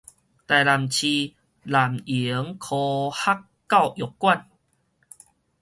臺南市南瀛科學教育館